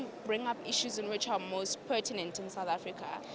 saya ingin membawa masalah yang paling pertinah di south africa